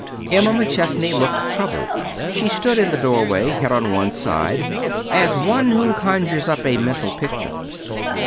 Emma McChesney looked troubled. She stood in the doorway, head on one side, as one who conjures up a mental picture.